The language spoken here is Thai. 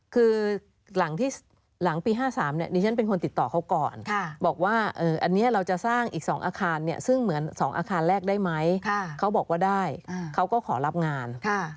คือหลังปี๕๓เนี่ยดิฉันเป็นคนติดต่อเขาก่อนบอกว่าอันนี้เราจะสร้างอีก๒อาคารเนี่ยซึ่งเหมือน๒อาคารแรกได้ไหมเขาบอกว่าได้เขาก็ขอรับงาน